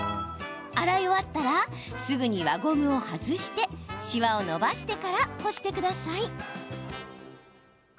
洗い終わったらすぐに輪ゴムを外してしわを伸ばしてから干してください。